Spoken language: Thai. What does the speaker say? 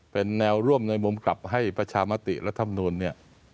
เป็นแนวร่วมในมุมกลับให้ประชามติรัฐมนูลเนี่ย